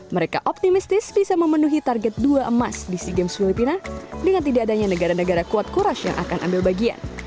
mereka optimistis bisa memenuhi target dua emas di sea games filipina dengan tidak adanya negara negara kuat courage yang akan ambil bagian